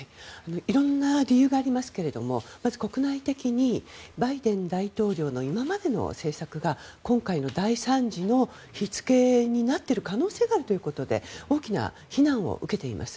色んな理由がありますがまず国内的にバイデン大統領の今までの政策が今回の大参事の火付けになっている可能性があるということで大きな非難を受けています。